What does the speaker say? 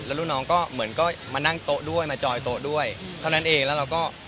แล้วลูกน้องก็เหมือนก็มานั่งโต๊ะด้วยมาจอยโต๊ะด้วยเท่านั้นเองแล้วเราก็